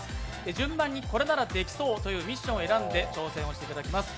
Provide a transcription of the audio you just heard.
順番にこれならできそうというミッションを選んで挑戦をしていただきます。